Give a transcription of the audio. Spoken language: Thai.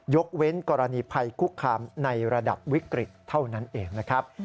ยกเว้นกรณีภัยคุกคามในระดับวิกฤตเท่านั้นเองนะครับ